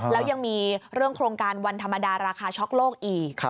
แล้วยังมีเรื่องโครงการวันธรรมดาราคาช็อกโลกอีก